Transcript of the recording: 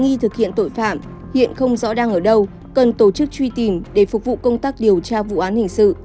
khi thực hiện tội phạm hiện không rõ đang ở đâu cần tổ chức truy tìm để phục vụ công tác điều tra vụ án hình sự